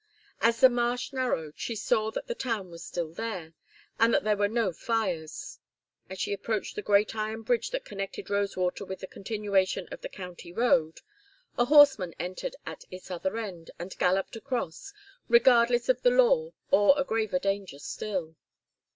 As the marsh narrowed she saw that the town was still there, and that there were no fires. As she approached the great iron bridge that connected Rosewater with the continuation of the county road, a horseman entered at its other end and galloped across, regardless of the law or a graver danger still.